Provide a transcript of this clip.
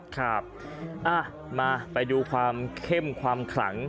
ครับมาไปดูความเข้มความขลัง